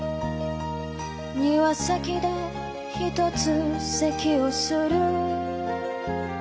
「庭先でひとつ咳をする」